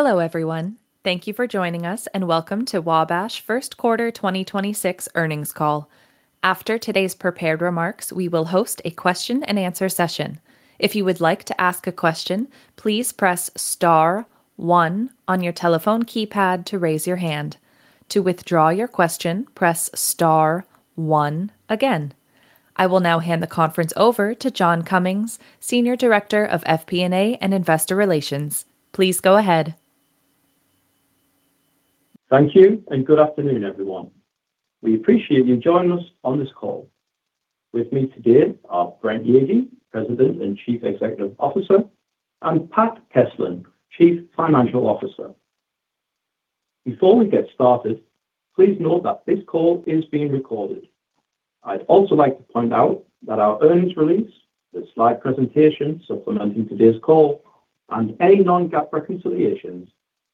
Hello, everyone. Thank you for joining us and welcome to Wabash first quarter 2026 earnings call. After today's prepared remarks, we will host a question-and-answer session. If you would like to ask a question, please press star one on your telephone keypad to raise your hand. To withdraw your question, press star one again. I will now hand the conference over to John Cummings, Senior Director of FP&A and Investor Relations. Please go ahead. Thank you, and good afternoon, everyone. We appreciate you joining us on this call. With me today are Brent Yeagy, President and Chief Executive Officer, and Pat Keslin, Chief Financial Officer. Before we get started, please note that this call is being recorded. I'd also like to point out that our earnings release, the slide presentation supplementing today's call, and any non-GAAP reconciliations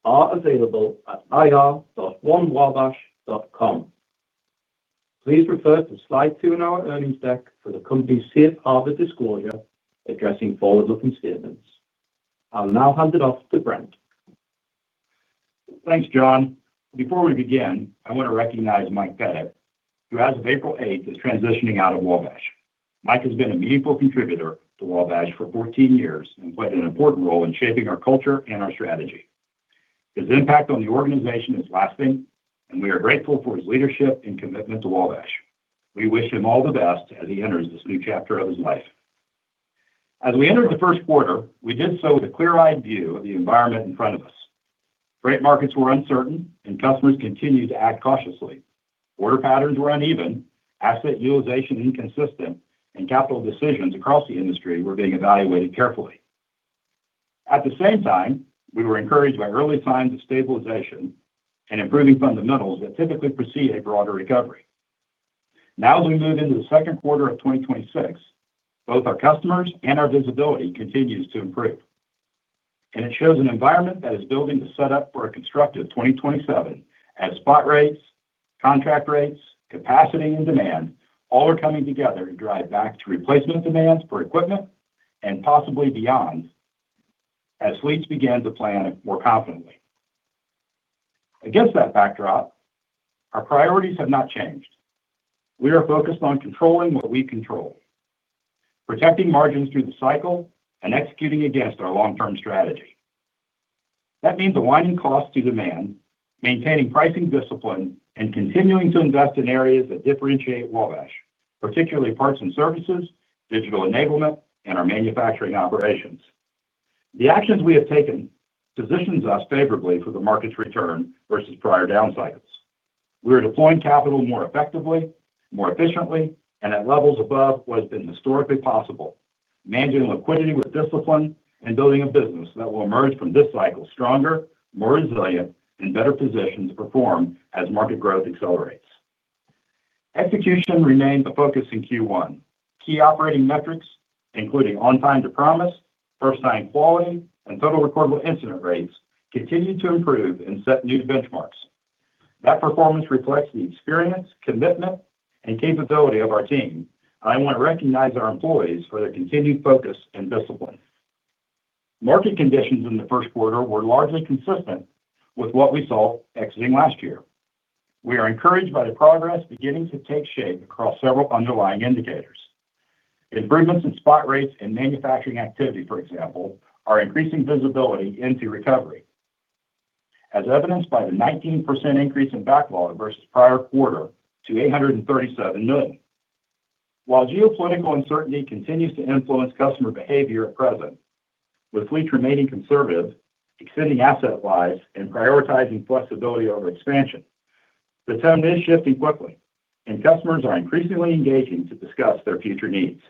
are available at ir.onewabash.com. Please refer to slide two in our earnings deck for the company's safe harbor disclosure addressing forward-looking statements. I'll now hand it off to Brent. Thanks, John. Before we begin, I want to recognize Mike Pettit, who as of April 8th is transitioning out of Wabash. Mike has been a meaningful contributor to Wabash for 14 years and played an important role in shaping our culture and our strategy. His impact on the organization is lasting, and we are grateful for his leadership and commitment to Wabash. We wish him all the best as he enters this new chapter of his life. As we entered the first quarter, we did so with a clear-eyed view of the environment in front of us. Freight markets were uncertain, and customers continued to act cautiously. Order patterns were uneven, asset utilization inconsistent, and capital decisions across the industry were being evaluated carefully. At the same time, we were encouraged by early signs of stabilization and improving fundamentals that typically precede a broader recovery. As we move into the second quarter of 2026, both our customers and our visibility continues to improve. It shows an environment that is building to set up for a constructive 2027 as spot rates, contract rates, capacity, and demand all are coming together to drive back to replacement demands for equipment and possibly beyond as fleets begin to plan more confidently. Against that backdrop, our priorities have not changed. We are focused on controlling what we control, protecting margins through the cycle, and executing against our long-term strategy. That means aligning cost to demand, maintaining pricing discipline, and continuing to invest in areas that differentiate Wabash, particularly Parts and Services, digital enablement, and our manufacturing operations. The actions we have taken positions us favorably for the market's return versus prior down cycles. We are deploying capital more effectively, more efficiently, and at levels above what has been historically possible, managing liquidity with discipline, and building a business that will emerge from this cycle stronger, more resilient, and better positioned to perform as market growth accelerates. Execution remained a focus in Q1. Key operating metrics, including on-time-to-promise, First Time Quality, and Total Recordable Incident Rates, continued to improve and set new benchmarks. That performance reflects the experience, commitment, and capability of our team, and I want to recognize our employees for their continued focus and discipline. Market conditions in the first quarter were largely consistent with what we saw exiting last year. We are encouraged by the progress beginning to take shape across several underlying indicators. Improvements in spot rates and manufacturing activity, for example, are increasing visibility into recovery, as evidenced by the 19% increase in backlog versus prior quarter to $837 million. While geopolitical uncertainty continues to influence customer behavior at present, with fleets remaining conservative, extending asset lives, and prioritizing flexibility over expansion, the tone is shifting quickly, and customers are increasingly engaging to discuss their future needs.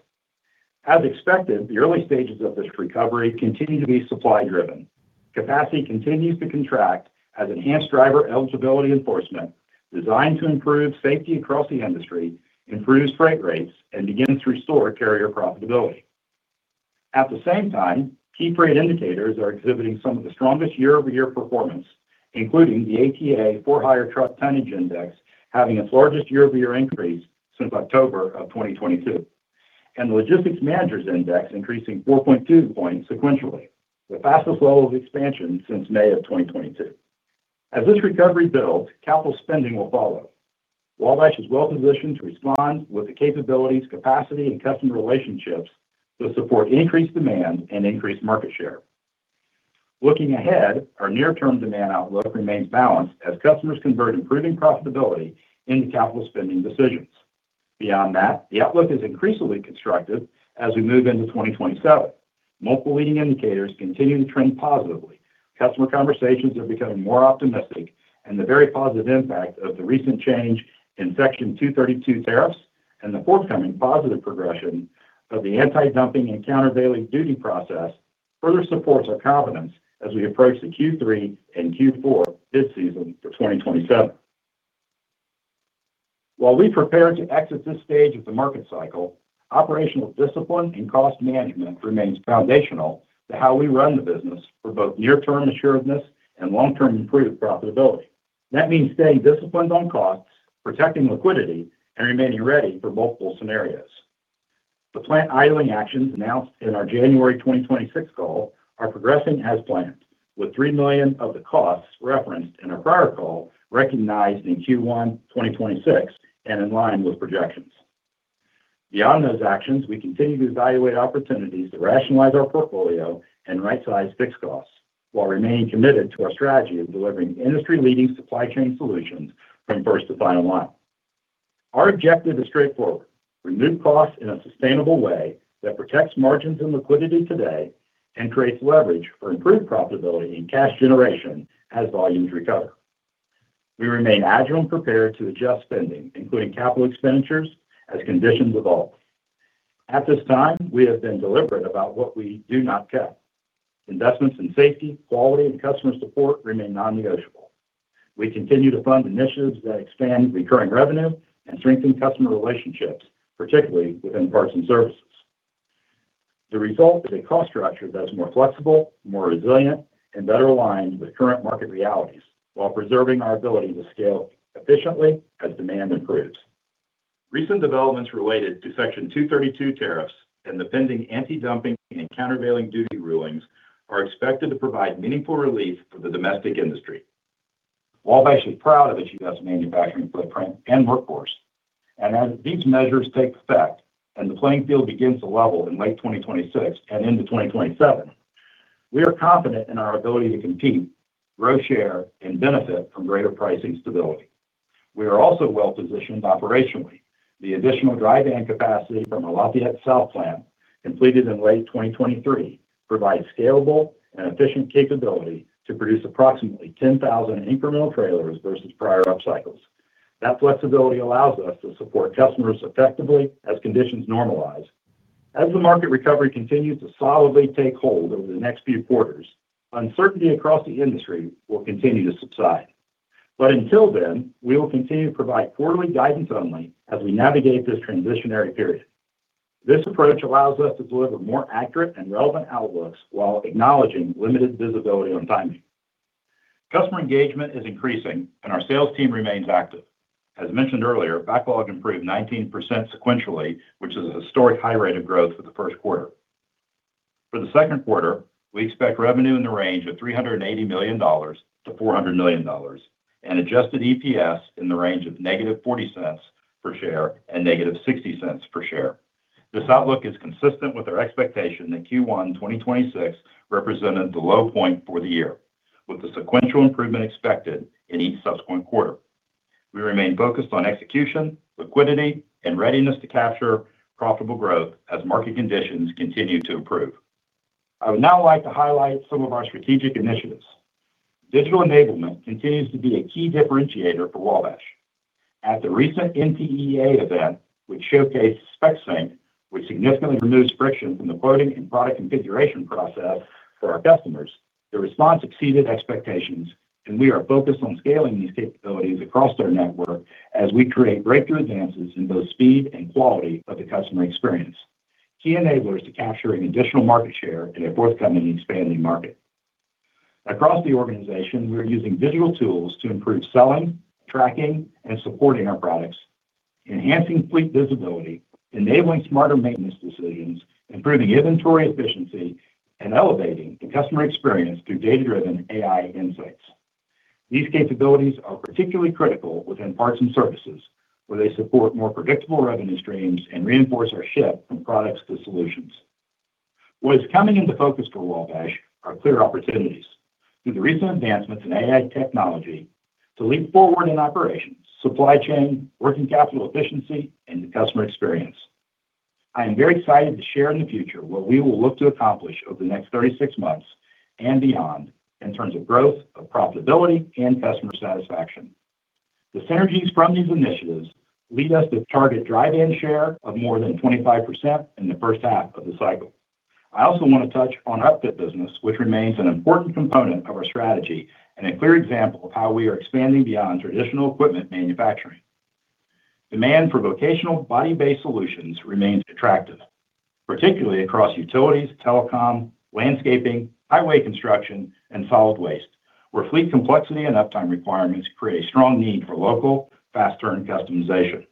As expected, the early stages of this recovery continue to be supply-driven. Capacity continues to contract as enhanced driver eligibility enforcement, designed to improve safety across the industry, improves freight rates and begins to restore carrier profitability. At the same time, key freight indicators are exhibiting some of the strongest year-over-year performance, including the ATA For-Hire Truck Tonnage Index having its largest year-over-year increase since October of 2022, and the Logistics Managers' Index increasing 4.2 points sequentially, the fastest rate of expansion since May of 2022. As this recovery builds, capital spending will follow. Wabash is well-positioned to respond with the capabilities, capacity, and customer relationships to support increased demand and increased market share. Looking ahead, our near-term demand outlook remains balanced as customers convert improving profitability into capital spending decisions. Beyond that, the outlook is increasingly constructive as we move into 2027. Multiple leading indicators continue to trend positively. Customer conversations are becoming more optimistic, and the very positive impact of the recent change in Section 232 tariffs and the forthcoming positive progression of the Antidumping and Countervailing Duties process further supports our confidence as we approach the Q3 and Q4 this season for 2027. While we prepare to exit this stage of the market cycle, operational discipline and cost management remains foundational to how we run the business for both near-term assuredness and long-term improved profitability. That means staying disciplined on costs, protecting liquidity, and remaining ready for multiple scenarios. The plant idling actions announced in our January 2026 call are progressing as planned, with $3 million of the costs referenced in our prior call recognized in Q1 2026 and in line with projections. Beyond those actions, we continue to evaluate opportunities to rationalize our portfolio and right-size fixed costs while remaining committed to our strategy of delivering industry-leading supply chain solutions from first to final mile. Our objective is straightforward: reduce costs in a sustainable way that protects margins and liquidity today and creates leverage for improved profitability and cash generation as volumes recover. We remain agile and prepared to adjust spending, including capital expenditures, as conditions evolve. At this time, we have been deliberate about what we do not cut. Investments in safety, quality, and customer support remain non-negotiable. We continue to fund initiatives that expand recurring revenue and strengthen customer relationships, particularly within Parts and Services. The result is a cost structure that is more flexible, more resilient, and better aligned with current market realities while preserving our ability to scale efficiently as demand improves. Recent developments related to Section 232 tariffs and the pending Antidumping and Countervailing Duties rulings are expected to provide meaningful relief for the domestic industry. Wabash is proud of its U.S. manufacturing footprint and workforce, and as these measures take effect and the playing field begins to level in late 2026 and into 2027, we are confident in our ability to compete, grow share, and benefit from greater pricing stability. We are also well-positioned operationally. The additional dry van capacity from our Lafayette South plant, completed in late 2023, provides scalable and efficient capability to produce approximately 10,000 incremental trailers versus prior up cycles. That flexibility allows us to support customers effectively as conditions normalize. As the market recovery continues to solidly take hold over the next few quarters, uncertainty across the industry will continue to subside. Until then, we will continue to provide quarterly guidance only as we navigate this transitionary period. This approach allows us to deliver more accurate and relevant outlooks while acknowledging limited visibility on timing. Customer engagement is increasing, and our sales team remains active. As mentioned earlier, backlog improved 19% sequentially, which is a historic high rate of growth for the first quarter. For the second quarter, we expect revenue in the range of $380 million-$400 million and adjusted EPS in the range of -$0.40 per share to -$0.60 per share. This outlook is consistent with our expectation that Q1 2026 represented the low point for the year, with a sequential improvement expected in each subsequent quarter. We remain focused on execution, liquidity, and readiness to capture profitable growth as market conditions continue to improve. I would now like to highlight some of our strategic initiatives. Digital enablement continues to be a key differentiator for Wabash. At the recent NTEA event, which showcased SpecSync, which significantly removes friction from the quoting and product configuration process for our customers, the response exceeded expectations, and we are focused on scaling these capabilities across our network as we create breakthrough advances in both speed and quality of the customer experience, key enablers to capturing additional market share in a forthcoming and expanding market. Across the organization, we are using digital tools to improve selling, tracking, and supporting our products, enhancing fleet visibility, enabling smarter maintenance decisions, improving inventory efficiency, and elevating the customer experience through data-driven AI insights. These capabilities are particularly critical within Parts and Services, where they support more predictable revenue streams and reinforce our shift from products to solutions. What is coming into focus for Wabash are clear opportunities through the recent advancements in AI technology to leap forward in operations, supply chain, working capital efficiency, and customer experience. I am very excited to share in the future what we will look to accomplish over the next 36 months and beyond in terms of growth of profitability and customer satisfaction. The synergies from these initiatives lead us to target dry van share of more than 25% in the first half of the cycle. I also want to touch on upfit business, which remains an important component of our strategy and a clear example of how we are expanding beyond traditional equipment manufacturing. Demand for vocational body-based solutions remains attractive, particularly across utilities, telecom, landscaping, highway construction, and solid waste, where fleet complexity and uptime requirements create a strong need for local, fast turn customization.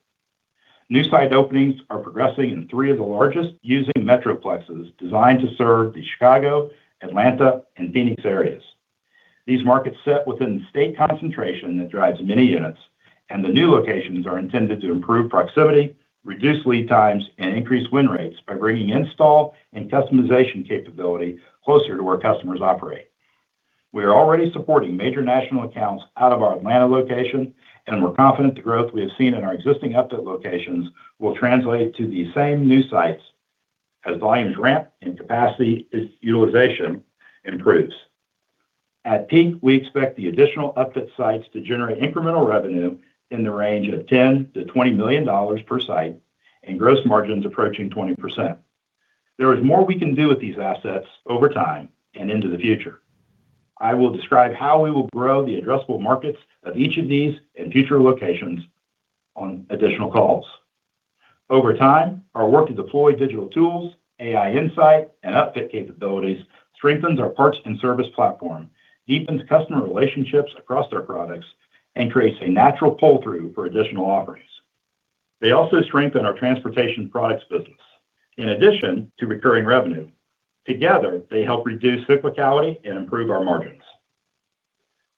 New site openings are progressing in three of the largest U.S. metroplexes designed to serve the Chicago, Atlanta, and Phoenix areas. These markets sit within state concentration that drives many units, and the new locations are intended to improve proximity, reduce lead times, and increase win rates by bringing install and customization capability closer to where customers operate. We are already supporting major national accounts out of our Atlanta location, and we're confident the growth we have seen in our existing upfit locations will translate to the same new sites as volumes ramp and capacity utilization improves. At peak, we expect the additional upfit sites to generate incremental revenue in the range of $10 million-$20 million per site and gross margins approaching 20%. There is more we can do with these assets over time and into the future. I will describe how we will grow the addressable markets of each of these and future locations on additional calls. Over time, our work to deploy digital tools, AI insight, and upfit capabilities strengthens our Parts and Services platform, deepens customer relationships across their products. Creates a natural pull-through for additional offerings. They also strengthen our transportation products business. In addition to recurring revenue, together, they help reduce cyclicality and improve our margins.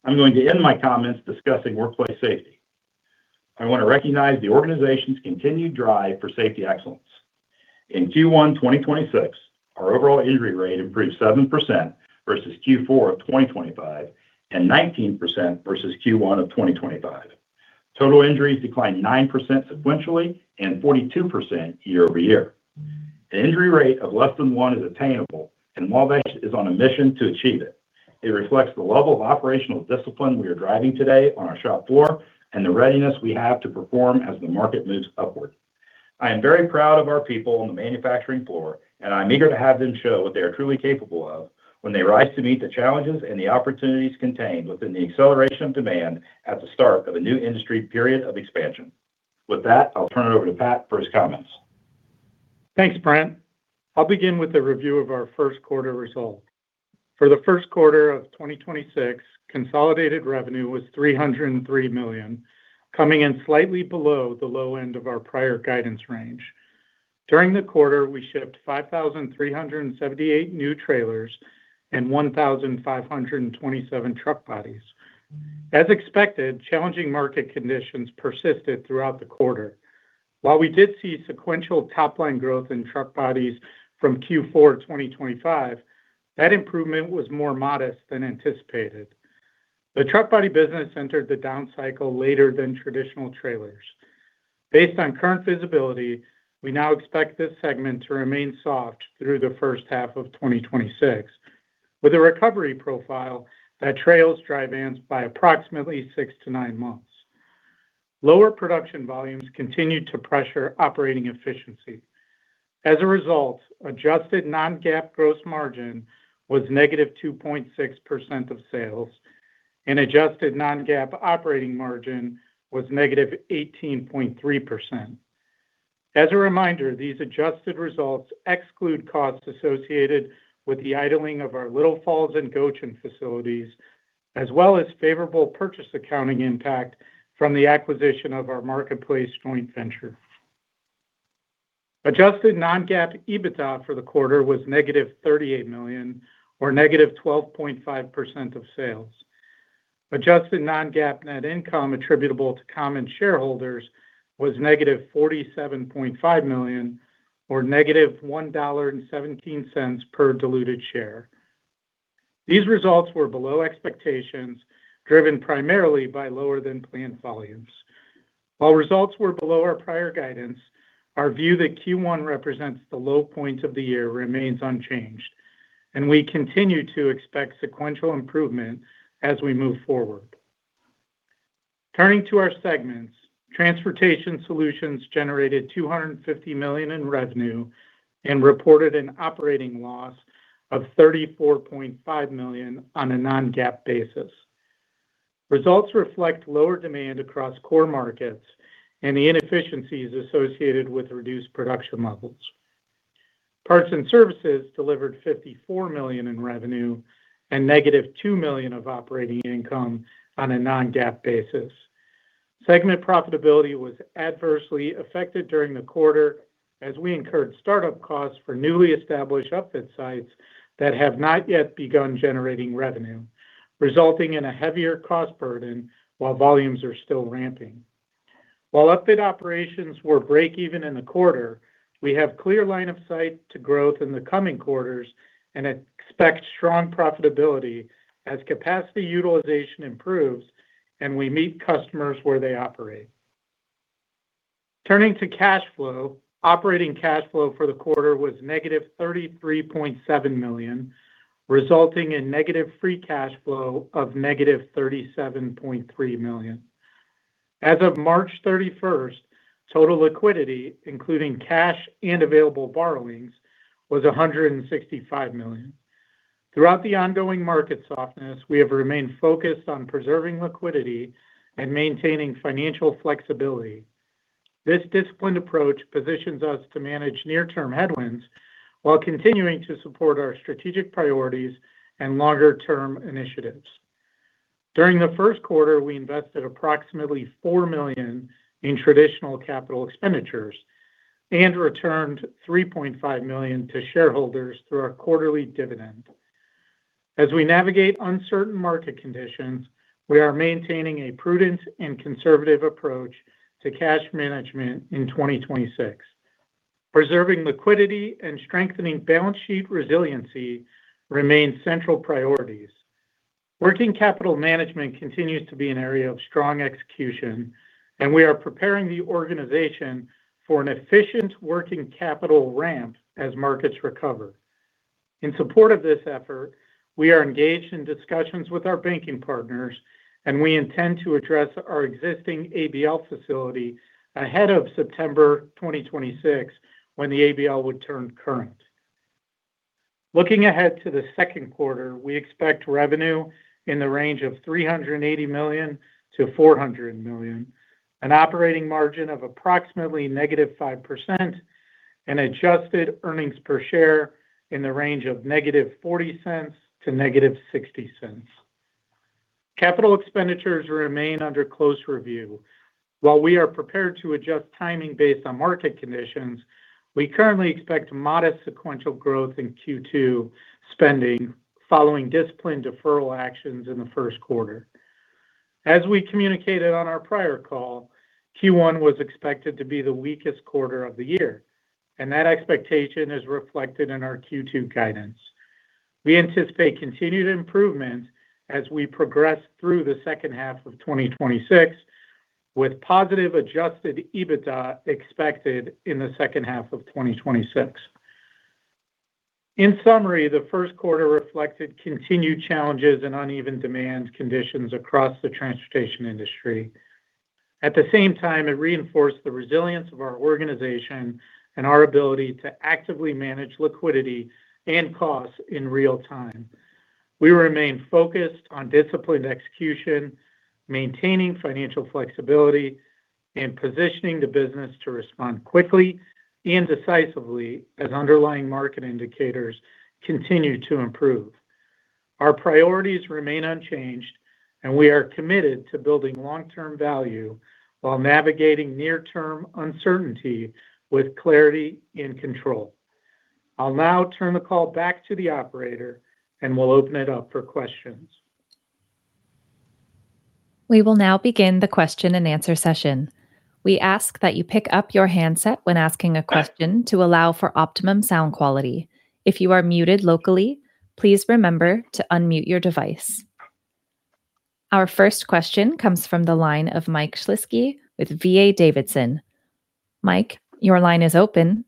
I'm going to end my comments discussing workplace safety. I wanna recognize the organization's continued drive for safety excellence. In Q1 2026, our overall injury rate improved 7% versus Q4 of 2025, and 19% versus Q1 of 2025. Total injuries declined 9% sequentially and 42% year-over-year. An injury rate of less than 1% is attainable, and Wabash is on a mission to achieve it. It reflects the level of operational discipline we are driving today on our shop floor and the readiness we have to perform as the market moves upward. I am very proud of our people on the manufacturing floor, and I'm eager to have them show what they are truly capable of when they rise to meet the challenges and the opportunities contained within the acceleration of demand at the start of a new industry period of expansion. With that, I'll turn it over to Pat for his comments. Thanks, Brent. I'll begin with the review of our first quarter results. For the first quarter of 2026, consolidated revenue was $303 million, coming in slightly below the low end of our prior guidance range. During the quarter, we shipped 5,378 new trailers and 1,527 truck bodies. As expected, challenging market conditions persisted throughout the quarter. While we did see sequential top-line growth in truck bodies from Q4 2025, that improvement was more modest than anticipated. The truck body business entered the down cycle later than traditional trailers. Based on current visibility, we now expect this segment to remain soft through the first half of 2026, with a recovery profile that trails dry vans by approximately 6-9 months. Lower production volumes continued to pressure operating efficiency. As a result, adjusted non-GAAP gross margin was -2.6% of sales, and adjusted non-GAAP operating margin was -18.3%. As a reminder, these adjusted results exclude costs associated with the idling of our Little Falls and Goshen facilities, as well as favorable purchase accounting impact from the acquisition of our marketplace joint venture. Adjusted non-GAAP EBITDA for the quarter was -$38 million or -12.5% of sales. Adjusted non-GAAP net income attributable to common shareholders was -$47.5 million or -$1.17 per diluted share. These results were below expectations, driven primarily by lower than planned volumes. While results were below our prior guidance, our view that Q1 represents the low point of the year remains unchanged, and we continue to expect sequential improvement as we move forward. Turning to our segments, Transportation Solutions generated $250 million in revenue and reported an operating loss of $34.5 million on a non-GAAP basis. Results reflect lower demand across core markets and the inefficiencies associated with reduced production levels. Parts and Services delivered $54 million in revenue and -$2 million of operating income on a non-GAAP basis. Segment profitability was adversely affected during the quarter as we incurred startup costs for newly established upfit sites that have not yet begun generating revenue, resulting in a heavier cost burden while volumes are still ramping. While upfit operations were break even in the quarter, we have clear line of sight to growth in the coming quarters and expect strong profitability as capacity utilization improves and we meet customers where they operate. Turning to cash flow, operating cash flow for the quarter was -$33.7 million, resulting in negative free cash flow of -$37.3 million. As of March 31st, total liquidity, including cash and available borrowings, was $165 million. Throughout the ongoing market softness, we have remained focused on preserving liquidity and maintaining financial flexibility. This disciplined approach positions us to manage near-term headwinds while continuing to support our strategic priorities and longer-term initiatives. During the first quarter, we invested approximately $4 million in traditional capital expenditures and returned $3.5 million to shareholders through our quarterly dividend. As we navigate uncertain market conditions, we are maintaining a prudent and conservative approach to cash management in 2026. Preserving liquidity and strengthening balance sheet resiliency remain central priorities. Working capital management continues to be an area of strong execution, and we are preparing the organization for an efficient working capital ramp as markets recover. In support of this effort, we are engaged in discussions with our banking partners, and we intend to address our existing ABL facility ahead of September 2026, when the ABL would turn current. Looking ahead to the second quarter, we expect revenue in the range of $380 million-$400 million, an operating margin of approximately -5%. Adjusted earnings per share in the range of -$0.40 to -$0.60. Capital expenditures remain under close review. While we are prepared to adjust timing based on market conditions, we currently expect modest sequential growth in Q2 spending following disciplined deferral actions in the first quarter. As we communicated on our prior call, Q1 was expected to be the weakest quarter of the year, and that expectation is reflected in our Q2 guidance. We anticipate continued improvement as we progress through the second half of 2026, with positive adjusted EBITDA expected in the second half of 2026. In summary, the first quarter reflected continued challenges and uneven demand conditions across the transportation industry. At the same time, it reinforced the resilience of our organization and our ability to actively manage liquidity and costs in real time. We remain focused on disciplined execution, maintaining financial flexibility, and positioning the business to respond quickly and decisively as underlying market indicators continue to improve. Our priorities remain unchanged, and we are committed to building long-term value while navigating near-term uncertainty with clarity and control. I'll now turn the call back to the operator and will open it up for questions. We will now begin the question-and-answer session. We ask that you pick up your handset when asking a question to allow for optimum sound quality. If you are muted locally, please remember to unmute your device. Our first question comes from the line of Mike Shlisky with D.A. Davidson. Mike, your line is open.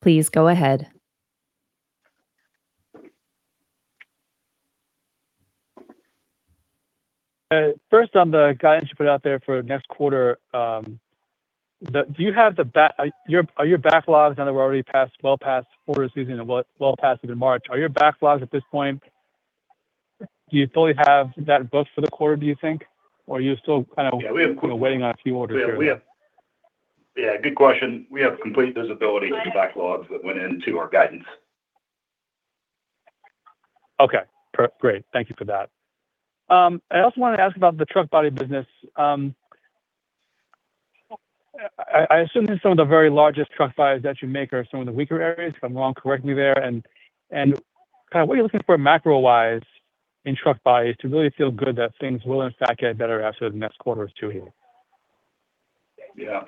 Please go ahead. Hi. First, on the guidance you put out there for next quarter, do you have your backlogs, now that we're already past, well passed order season and well passed into March. Are your backlogs at this point, do you fully have that booked for the quarter, do you think? Yeah, we have. You know, or you still waiting on a few orders here? Yeah, good question. We have complete visibility to the backlogs that went into our guidance. Okay. Great, thank you for that. I also wanted to ask about the truck body business. I assume that some of the very largest truck bodies that you make are some of the weaker areas. If I'm wrong, correct me there. Kind of what are you looking for macro-wise in truck bodies to really feel good that things will in fact get better after the next quarter or two here? Yeah.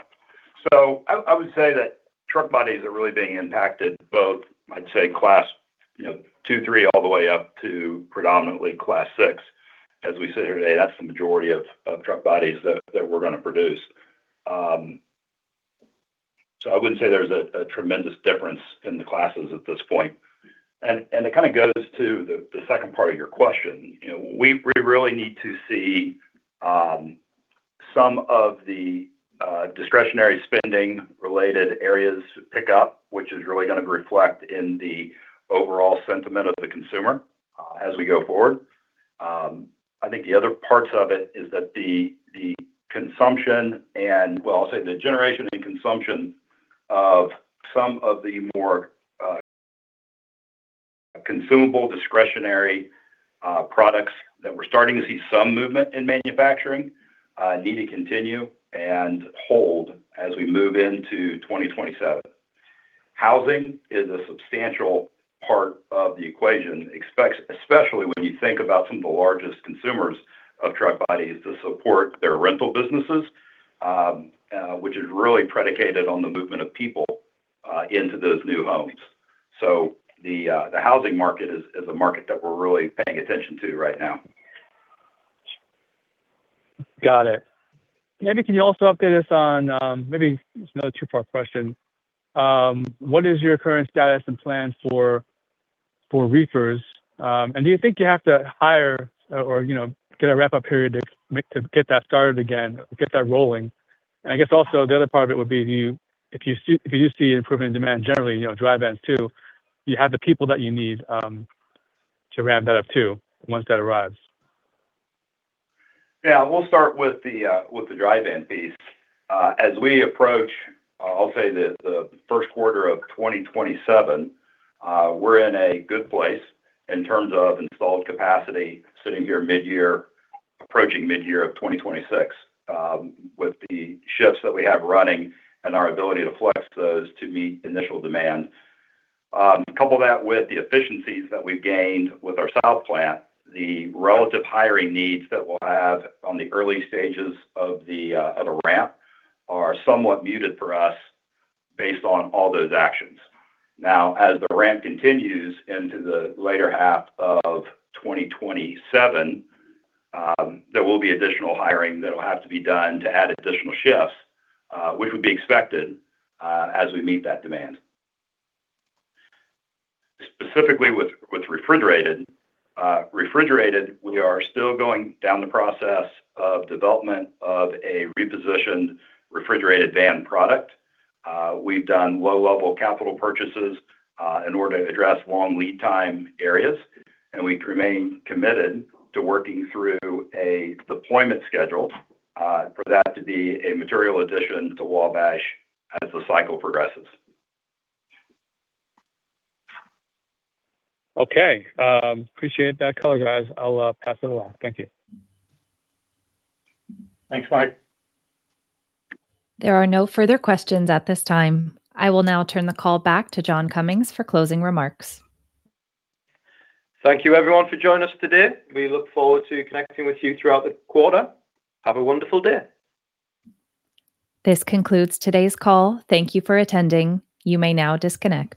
I would say that truck bodies are really being impacted both, I'd say, Class 2, Class 3, all the way up to predominantly Class 6. As we sit here today, that's the majority of truck bodies that we're gonna produce. I wouldn't say there's a tremendous difference in the classes at this point. It kind of goes to the second part of your question. You know, we really need to see some of the discretionary spending-related areas pick up, which is really gonna reflect in the overall sentiment of the consumer as we go forward. I think the other parts of it is that the consumption and, well, I'll say the generation and consumption of some of the more consumable, discretionary products that we're starting to see some movement in manufacturing need to continue and hold as we move into 2027. Housing is a substantial part of the equation, especially when you think about some of the largest consumers of truck bodies to support their rental businesses, which is really predicated on the movement of people into those new homes. The housing market is a market that we're really paying attention to right now. Got it. Maybe can you also update us on, maybe it's another two-part question. What is your current status and plans for reefers? Do you think you have to hire or, you know, get a wrap-up period to get that started again, get that rolling? I guess also the other part of it would be if you see improvement in demand generally, you know, dry vans too, you have the people that you need to ramp that up too, once that arrives. We'll start with the with the dry van piece. As we approach, I'll say the first quarter of 2027, we're in a good place in terms of installed capacity sitting here midyear, approaching midyear of 2026, with the shifts that we have running and our ability to flex those to meet initial demand. Couple that with the efficiencies that we've gained with our South Plant, the relative hiring needs that we'll have on the early stages of the ramp are somewhat muted for us based on all those actions. Now, as the ramp continues into the later half of 2027, there will be additional hiring that'll have to be done to add additional shifts, which would be expected as we meet that demand. Specifically, with refrigerated van. Refrigerated, we are still going down the process of development of a repositioned refrigerated van product. We've done low-level capital purchases in order to address long lead time areas, and we remain committed to working through a deployment schedule for that to be a material addition to Wabash as the cycle progresses. Okay, appreciate that color, guys. I'll pass it along, thank you. Thanks, Mike. There are no further questions at this time. I will now turn the call back to John Cummings for closing remarks. Thank you everyone for joining us today. We look forward to connecting with you throughout the quarter. Have a wonderful day. This concludes today's call. Thank you for attending, you may now disconnect.